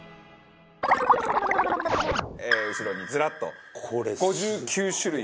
後ろにずらっと５９種類が。